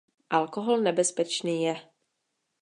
Alkohol nebezpečný je.